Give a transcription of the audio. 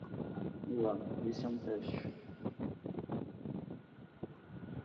Olá, esse é um teste